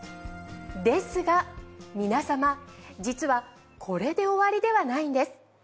ですが皆様実はこれで終わりではないんです。